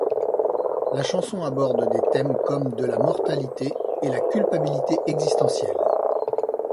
La chanson aborde des thèmes comme de la mortalité et la culpabilité existentielle.